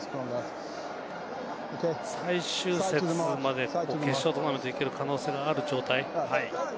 最終節まで決勝トーナメントに行ける可能性がある状態。